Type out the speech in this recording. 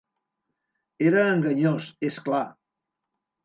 Era enganyós, és clar.